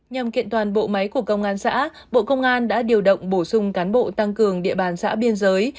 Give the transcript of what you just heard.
nhằm kiện toàn bộ máy của công an xã bộ công an đã điều động bổ sung cán bộ tăng cường địa bàn xã biên giới